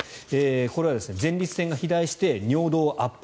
これは前立腺が肥大して尿道を圧迫。